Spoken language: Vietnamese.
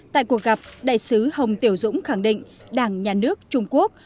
tại cuộc gặp đại sứ hồng tiểu dũng khẳng định đảng nhà nước trung quốc